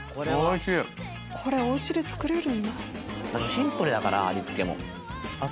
シンプルやから味付けも。